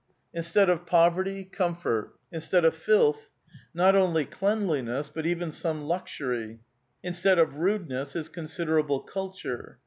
Instead of poverty, comfort ; instead of filth, not only cleanliness, but even some luxury ; instead of rudeness, is considerable culture.